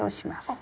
あ！